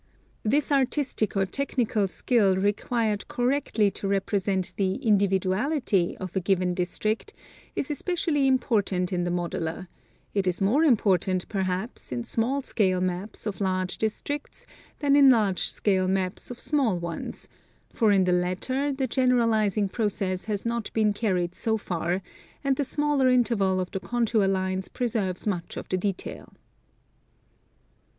This artistic or technical skill required correctly to represent the individuality of a given district is especially important in the modeler; it is more impor tant, perhaps, in small scale maps of large districts than in large scale maps of small ones, — for in the latter the generalizing pro cess has not been carried so far, and the smaller interval of the contour lines preserves much of the detail.